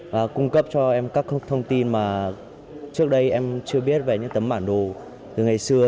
và cung cấp cho em các thông tin mà trước đây em chưa biết về những tấm bản đồ từ ngày xưa